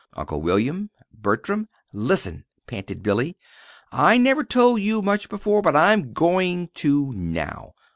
"Uncle William! Bertram! Listen," panted Billy. "I never told you much before, but I'm going to, now.